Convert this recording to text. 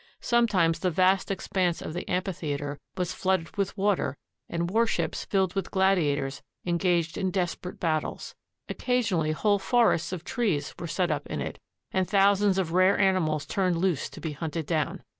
Sometimes the vast expanse of the amphitheater was flooded with water and war ships filled with gladiators engaged in desperate battles. Occasionally whole forests of trees were set up in it and thou sands of rare animals turned loose to be hunted down.